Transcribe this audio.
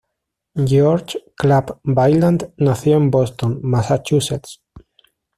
George Clapp Vaillant nació en Boston, Massachusetts.